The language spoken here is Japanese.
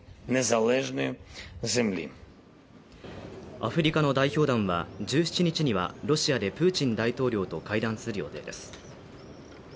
アフリカの代表団は、１７日には、ロシアでプーチン大統領と会談する予定です。